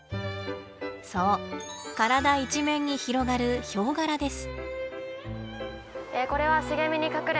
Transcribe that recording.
そう体一面に広がるヒョウ柄です。